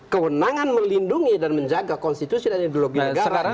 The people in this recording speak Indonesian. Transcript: kewenangan melindungi dan menjaga konstitusi dan ideologi negara